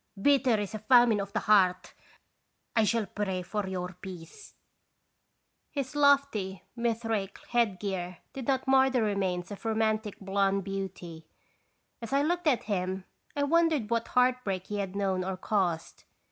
Bitter is a famine of the heart ! I shall pray for your peace." 150 21 (>rcm0B0 fcisitatiott. His lofty, Mithraic head gear did not mar the remains of romantic blonde beauty. As I looked at him I wondered what heartbreak he had known or caused.